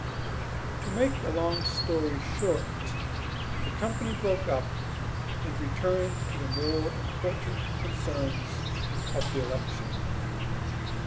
To make a long story short, the company broke up and returned to the more important concerns of the election.